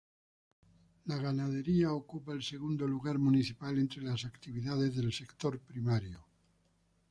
La ganadería ocupa el segundo lugar municipal entre las actividades del sector primario.